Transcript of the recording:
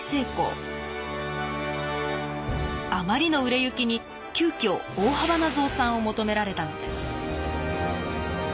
あまりの売れ行きに急きょ大幅な増産を求められたのです。